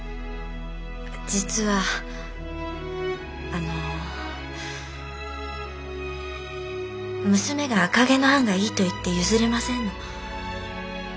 実はあの娘が「赤毛のアン」がいいと言って譲りませんの。